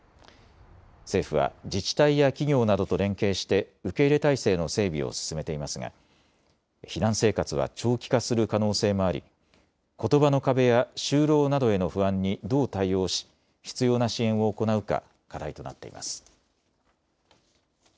政府は自治体や企業などと連携して受け入れ体制の整備を進めていますが避難生活は長期化する可能性もありことばの壁や就労などへの不安にどう対応し、必要な支援を行うか課題となっています。